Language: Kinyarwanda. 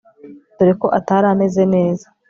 dore ko Atari ameze neza